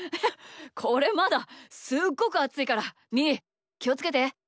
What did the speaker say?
これまだすっごくあついからみーきをつけて。